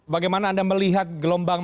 bagaimana anda melihat gelombang